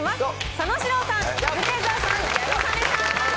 佐野史郎さん、カズレーザーさん、ギャル曽根さん。